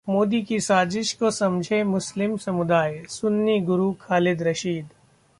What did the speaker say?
मोदी की साजिश को समझे मुस्लिम समुदाय: सुन्नी गुरु खालिद राशिद